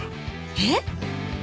えっ？